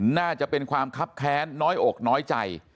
น่าจะเป็นความคับแค้นน้อยอกน้อยใจ